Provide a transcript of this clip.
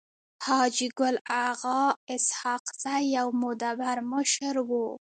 حاجي ګل اغا اسحق زی يو مدبر مشر وو.